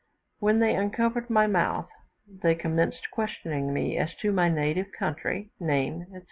When they uncovered my mouth, they commenced questioning me as to my native country, name, etc.